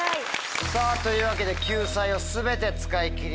さぁというわけで救済を全て使い切りました。